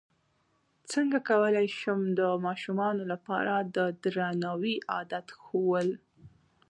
څنګه کولی شم د ماشومانو لپاره د درناوي عادت ښوول